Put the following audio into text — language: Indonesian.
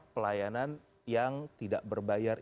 pelayanan yang tidak berbayar